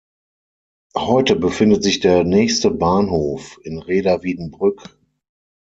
Heute befindet sich der nächste Bahnhof in Rheda-Wiedenbrück.